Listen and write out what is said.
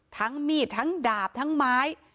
ทั้งมีดทั้งดาบทั้งไม้